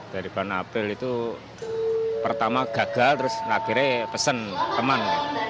dari bulan april itu pertama gagal terus akhirnya pesen teman